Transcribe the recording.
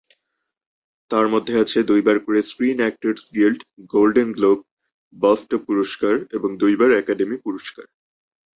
তার মধ্যে আছে দুইবার করে screen actors guild, golden globe, BAFTA পুরস্কার, এবং দুইবার একাডেমি পুরস্কার।